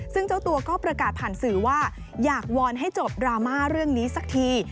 ซึ่งเจ้าตัวก็ประกาศผ่านสื่อว่าอยากวอนให้จบดราม่าเรื่องนี้สักที